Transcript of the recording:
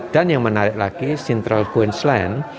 dan yang menarik lagi central queensland